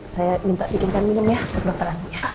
saya minta bikinkan minum ya dokter andi